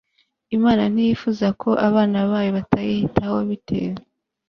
Imana ntiyifuza ko abana bayo batiyitaho bitewe